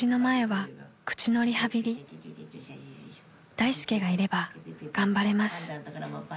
［大助がいれば頑張れます］